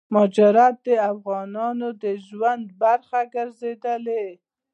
مهاجرت دافغانانو دژوند برخه ګرځيدلې